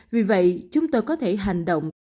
vì vậy chúng tôi có thể hành động